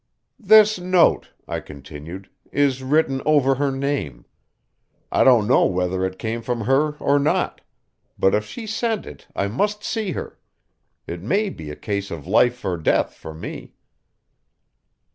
"This note," I continued, "is written over her name. I don't know whether it came from her, or not; but if she sent it I must see her. It may be a case of life or death for me."